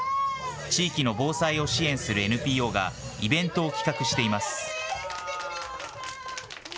地域の防災を支援するＮＰＯがイベントを企画しています。